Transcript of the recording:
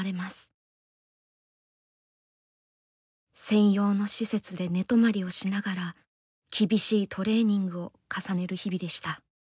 専用の施設で寝泊まりをしながら厳しいトレーニングを重ねる日々でした。